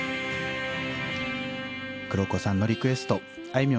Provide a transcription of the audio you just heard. クロコさんのリクエストあいみょ